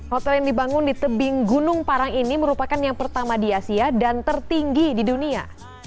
hotel yang dibangun di tebing gunung parang ini merupakan yang pertama di asia dan tertinggi di dunia